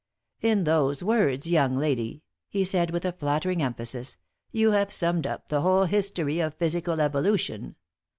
"In those words, young lady," he said, with flattering emphasis, "you have summed up the whole history of physical evolution.